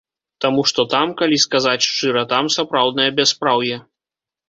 Таму што там, калі сказаць шчыра, там сапраўднае бяспраўе.